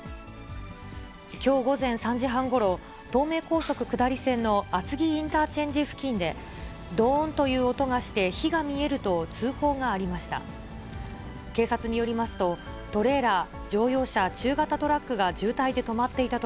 きょう午前３時半ごろ、東名高速下り線の厚木インターチェンジ付近でどーんという音がして、火が見えると通報がありました。